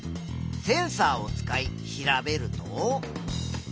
センサーを使い調べると。